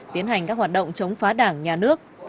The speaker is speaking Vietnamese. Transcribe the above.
tiến hành các hoạt động chống phá đảng nhà nước